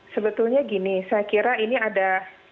sebetulnya gini saya kira ini ada